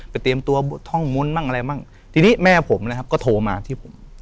เตรียมตัวท่องมนต์บ้างอะไรมั่งทีนี้แม่ผมนะครับก็โทรมาที่ผม